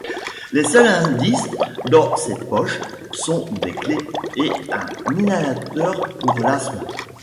Les seuls indices dans ses poches sont des clés et un inhalateur pour l'asthme.